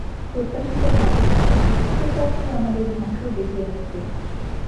প্রত্যাশিতভাবেই, মানুষের কৃতকর্ম-ই আমাদের ধ্বংস ডেকে এনেছে।